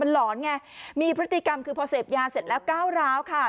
หลอนไงมีพฤติกรรมคือพอเสพยาเสร็จแล้วก้าวร้าวค่ะ